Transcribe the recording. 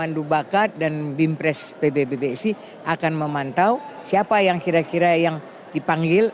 pandu bakat dan bimpres pbbsi akan memantau siapa yang kira kira yang dipanggil